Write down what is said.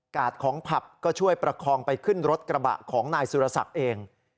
ของผับก็ช่วยประคองไปขึ้นรถกระบะของนายสุรศักดิ์เอง